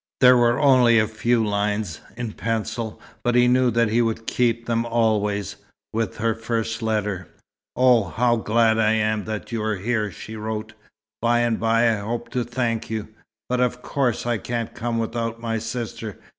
There were only a few lines, in pencil, but he knew that he would keep them always, with her first letter. "Oh, how glad I am that you're here!" she wrote. "By and by I hope to thank you but of course I can't come without my sister.